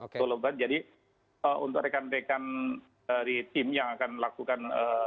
itu lebat jadi untuk rekan rekan dari tim yang akan melakukan